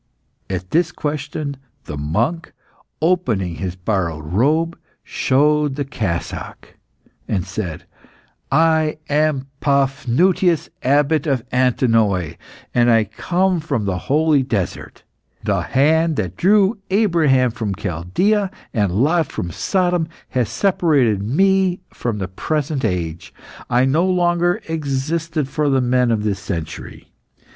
At this question the monk, opening his borrowed robe, showed the cassock, and said "I am Paphnutius, Abbot of Antinoe, and I come from the holy desert. The hand that drew Abraham from Chaldaea and Lot from Sodom has separated me from the present age. I no longer existed for the men of this century.